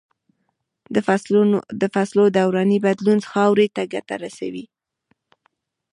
د فصلو دوراني بدلون خاورې ته ګټه رسوي.